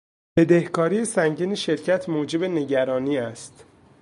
بدهکاری سنگین شرکت موجب نگرانی است.